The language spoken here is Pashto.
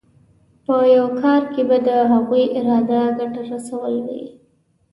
په یو کار کې به د هغوی اراده ګټه رسول وي.